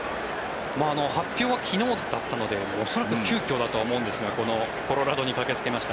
発表は昨日だったので恐らく急きょだとは思いますがこのコロラドに駆けつけました。